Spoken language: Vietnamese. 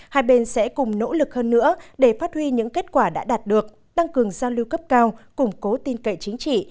hai bên sẽ cùng nỗ lực hơn nữa để phát huy những kết quả đã đạt được tăng cường giao lưu cấp cao củng cố tin cậy chính trị